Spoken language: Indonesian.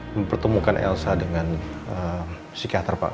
mempertemukan elsa dengan psikiater pak